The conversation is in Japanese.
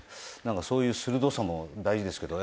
そういう鋭さも大事ですけど。